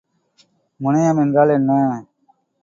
முனையம் என்றால் என்ன?